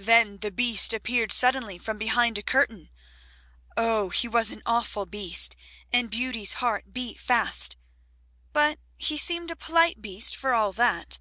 Then the Beast appeared suddenly from behind a curtain; oh, he was an awful Beast, and Beauty's heart beat fast! But he seemed a polite Beast for all that.